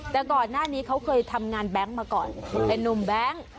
แต่ก่อนหน้านี้เขาเคยทำงานแบงค์มาก่อนเป็นนุ่มแบงค์